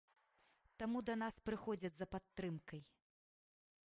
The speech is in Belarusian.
Таму да нас прыходзяць за падтрымкай.